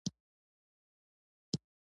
د سرک حریم د شخصي ملکیتونو څخه اخیستل کیږي